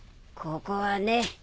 ここはね